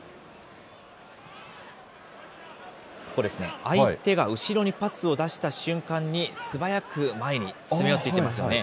ここですね、相手が後ろにパスを出した瞬間に、素早く前に詰め寄っていきますよね。